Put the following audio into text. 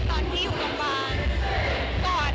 ตอนที่อยู่โรงพยาบาล